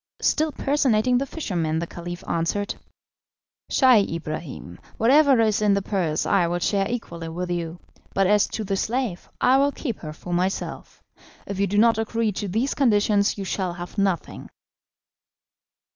Still personating the fisherman, the Caliph answered: "Scheih Ibrahim, whatever is in the purse I will share equally with you, but as to the slave I will keep her for myself. If you do not agree to these conditions you shall have nothing."